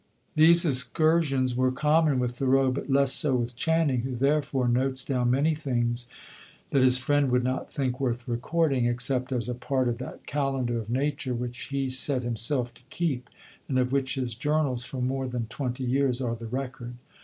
These excursions were common with Thoreau, but less so with Channing, who therefore, notes down many things that his friend would not think worth recording, except as a part of that calendar of Nature which he set himself to keep, and of which his journals, for more than twenty years, are the record.